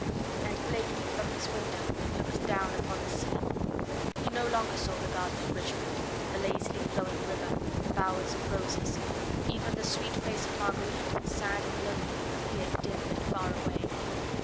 And Blakeney from his window looked down upon the scene. He no longer saw the garden at Richmond, the lazily flowing river, the bowers of roses; even the sweet face of Marguerite, sad and lonely, appeared dim and far away.